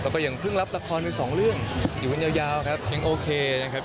แล้วก็ยังเพิ่งรับละครไปสองเรื่องอยู่กันยาวครับยังโอเคนะครับ